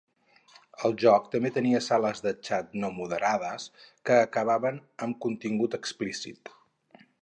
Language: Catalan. El joc també tenia sales de xat no moderades que acabaven amb contingut explícit.